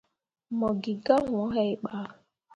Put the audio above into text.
Mo gi gah wuu hai bah.